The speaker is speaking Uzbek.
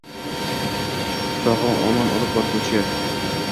Sogʼu omon olib borguvchi